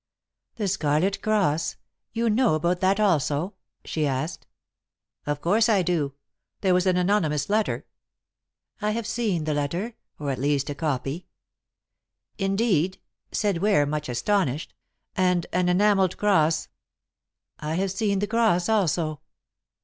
"The Scarlet Cross. You know about that also?" she asked. "Of course I do. There was an anonymous letter " "I have seen the letter, or at least a copy." "Indeed," said Ware, much astonished, "and an enamelled cross " "I have seen the cross also."